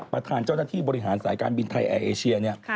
ประธานเจ้าหน้าที่บริหารสายการบินไทยแอร์เอเชียเนี่ย